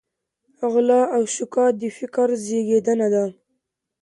غلا او شوکه د فقر زېږنده ده.